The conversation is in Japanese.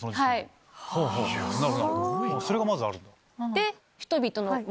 なるほどそれがまずあるんだ。